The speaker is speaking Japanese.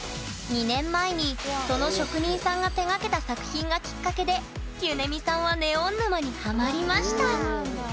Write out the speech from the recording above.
２年前にその職人さんが手がけた作品がきっかけでゆねみさんはネオン沼にハマりました